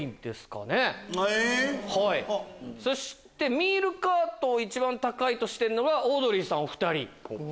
ミールカートを一番高いとしてるのがオードリーさんお２人。